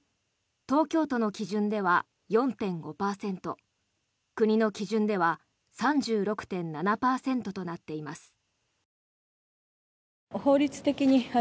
東京都の基準では４．５％国の基準では３６．７％となっています。